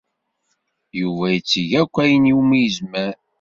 Yuba yetteg akk ayen umi yezmer.